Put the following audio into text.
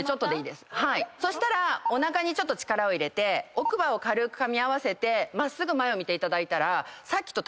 そしたらおなかにちょっと力を入れて奥歯を軽くかみ合わせて真っすぐ前を見ていただいたら。